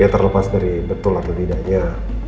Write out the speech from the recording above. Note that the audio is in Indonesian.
terlepas dari betul atau tidaknya